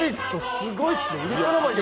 すごいっすね。